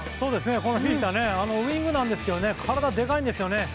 このフィフィタウィングなんですけど体でかいんですよね。